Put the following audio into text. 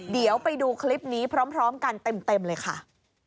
เดี๋ยวไปดูคลิปนี้พร้อมกันเต็มเลยค่ะ